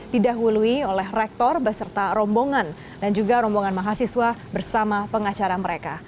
didahului oleh rektor beserta rombongan dan juga rombongan mahasiswa bersama pengacara mereka